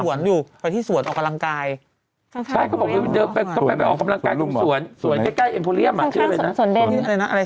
ก็เห็นไปวิ่งสวนอยู่ไปที่สวนออกกำลังกาย